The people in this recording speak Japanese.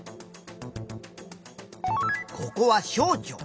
ここは小腸。